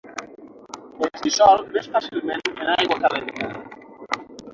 Es dissol més fàcilment en aigua calenta.